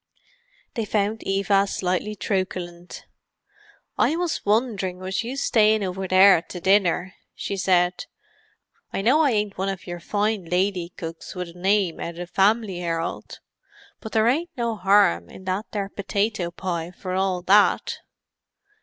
They found Eva slightly truculent. "I was wonderin' was you stayin' over there to dinner," she said. "I know I ain't one of your fine lady cooks with a nime out of the 'Family 'Erald,' but there ain't no 'arm in that there potato pie, for all that!"